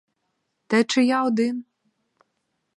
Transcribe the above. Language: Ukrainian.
Та й чи я один!